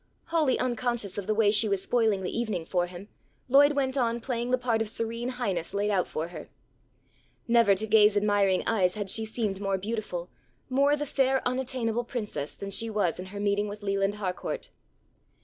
Wholly unconscious of the way she was spoiling the evening for him Lloyd went on playing the part of Serene Highness, laid out for her. Never to Gay's admiring eyes had she seemed more beautiful, more the fair unattainable Princess, than she was in her meeting with Leland Harcourt.